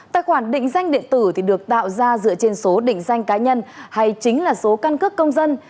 tài khoản định danh điện tử được tạo ra dựa trên số định danh cá nhân hay chính là số căn cước công dân